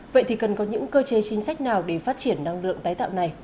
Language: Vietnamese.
vậy thì cần có những cơ chế chính sách nào để phát triển năng lượng tái tạo này